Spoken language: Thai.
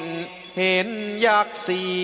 มาเยือนทินกระวีและสวัสดี